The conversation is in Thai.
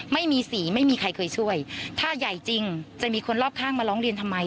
ไม่มีสีไม่มีใครเคยช่วยถ้าใหญ่จริงจะมีคนรอบข้างมาร้องเรียนทำไม